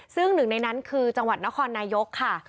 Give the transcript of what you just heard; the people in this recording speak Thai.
ซึ่งหนึ่งในนั้นคือจังหวัดนครนายกค่ะ